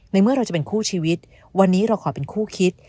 เมื่อเราจะเป็นคู่ชีวิตวันนี้เราขอเป็นคู่คิด